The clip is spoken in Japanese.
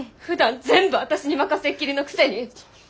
ふだん全部私に任せっきりのくせに！